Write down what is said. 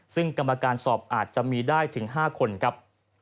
ซึ่งกรรมการสอบอาจจะมีได้ถึง๕คนครับ